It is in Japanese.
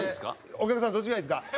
お客さんどっちがいいですか？